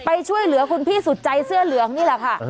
ไปช่วยเหลือคุณพี่สุดใจเสื้อเหลืองนี่แหละค่ะ